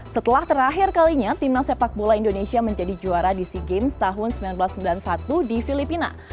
setelah terakhir kalinya timnas sepak bola indonesia menjadi juara di sea games tahun seribu sembilan ratus sembilan puluh satu di filipina